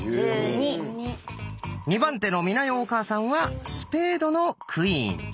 ２番手の美奈代お母さんはスペードのクイーン。